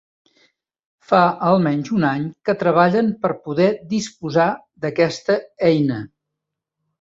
Fa almenys un any que treballen per poder disposar d'aquesta eina.